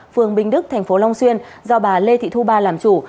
phường bình đức thành phố long xuyên do bà lê thị thu ba làm chủ